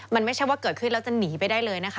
มันไม่ใช่ว่าเกิดขึ้นแล้วจะหนีไปได้เลยนะคะ